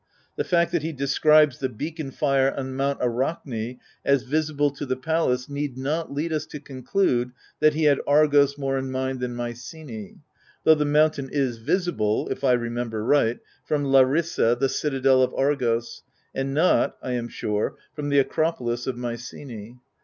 The fact that he describes the beacon fire on Mount Arachne as visible to the palace need not lead us to conclude that he had Argos more in mind than Mycenae : though the mountain is visible (if I remember right) from Larissa, the citadel of Argos, and not (I am sure) from the Acropolis of Mycenae.